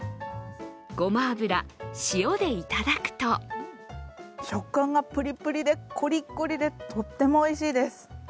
ごま油、塩でいただくと食感がプリプリでコリコリでとってもおいしいです。